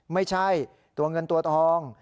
ไม่ใช่ตัวเงินตัวทอง